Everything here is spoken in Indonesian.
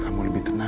aku jemput kamu ya